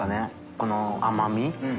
この甘味？